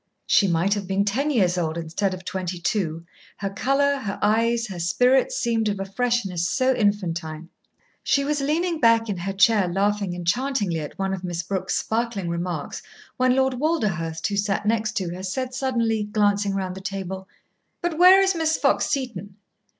She might have been ten years old instead of twenty two, her colour, her eyes, her spirits seemed of a freshness so infantine. She was leaning back in her chair laughing enchantingly at one of Miss Brooke's sparkling remarks when Lord Walderhurst, who sat next to her, said suddenly, glancing round the table: "But where is Miss Fox Seton?"